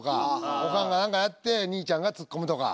おかんが何かやって兄ちゃんがツッコむとか。